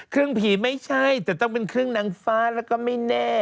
ผีไม่ใช่แต่ต้องเป็นเครื่องนางฟ้าแล้วก็ไม่แน่